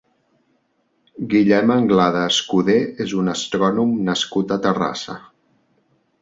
Guillem Anglada Escudé és un astrònom nascut a Terrassa.